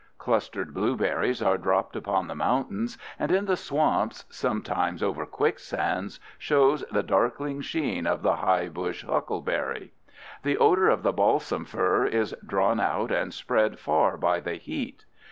Clustered blueberries are drooped upon the mountains, and in the swamps, sometimes over quicksands, shows the darkling sheen of the high bush huckleberry. The odor of the balsam fir is drawn out and spread far by the heat.